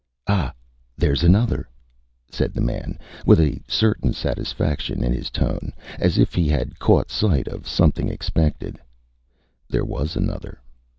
ÂAh! thereÂs another,Â said the man, with a certain satisfaction in his tone, as if he had caught sight of something expected. There was another.